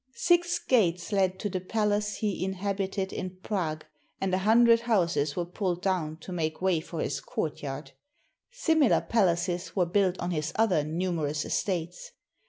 Six gates led to the palace he inhabited in Prague, and a hundred houses were pulled down to make way for his courtyard. Similar palaces were built on his other numerous estates.